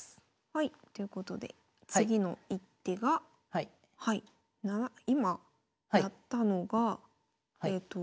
はいということで次の一手が今やったのがえと。